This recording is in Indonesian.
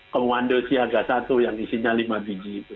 kemuandosia g satu yang isinya lima biji itu